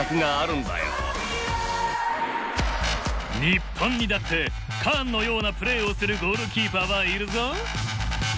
日本にだってカーンのようなプレーをするゴールキーパーはいるぞ。